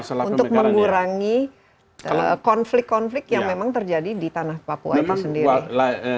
untuk mengurangi konflik konflik yang memang terjadi di tanah papua itu sendiri